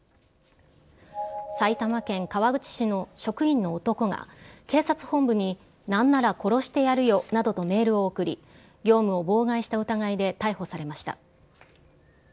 埼玉県川口市の職員の男が、警察本部に、なんなら殺してやるよなどとメールを送り、業務を妨害した疑いで逮捕されました。